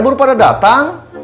baru pada datang